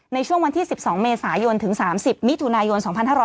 ในช่วง๑๒เวศายน๓๐มิธุนายน๒๕๖๔